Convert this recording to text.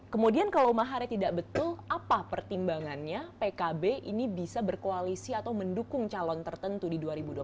kemudian kalau maharnya tidak betul apa pertimbangannya pkb ini bisa berkoalisi atau mendukung calon tertentu di dua ribu dua puluh empat